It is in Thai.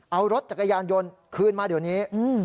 เอารถจักรยานยนต์คืนมาเดี๋ยวนี้